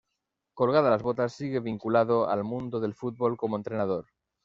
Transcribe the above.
Colgadas las botas, sigue vinculado al mundo del fútbol como entrenador.